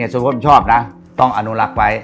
ส่วนผมชอบนะต้องอนุรักษ์ไว้